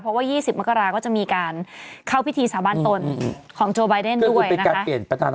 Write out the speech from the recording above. เพราะว่า๒๐มกราก็จะมีการเข้าพิธีสาบานตนของโจไบเดนด้วยนะคะ